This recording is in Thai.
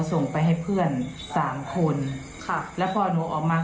ส่งไปให้เพื่อนสามคนค่ะแล้วพอหนูออกมา